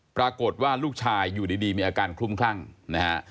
ปรากฏว่าลูกชายอยู่ดีมีอาการคลุ้มคลั่งนะฮะ